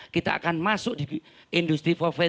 kita akan masuk di industri empat